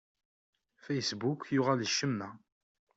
Facebook yuɣal d ccemma.